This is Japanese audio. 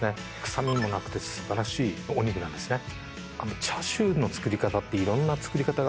臭みもなくて素晴らしいお肉なんですね。